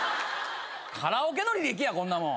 カラオケの履歴やこんなもん。